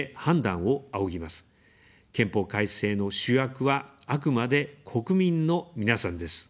憲法改正の主役は、あくまで国民の皆さんです。